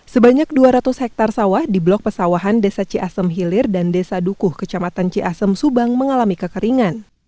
sebanyak dua ratus hektare sawah di blok pesawahan desa ciasem hilir dan desa dukuh kecamatan ciasem subang mengalami kekeringan